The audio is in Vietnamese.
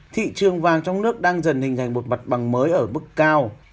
thị trường vàng trong nước đang dần hình thành một mặt bằng mới ở mức cao